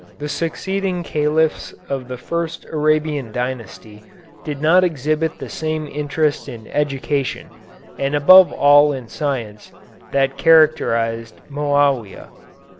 The succeeding Caliphs of the first Arabian dynasty did not exhibit the same interest in education, and above all in science, that characterized Moawia.